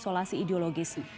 dan menjalani isolasi ideologisi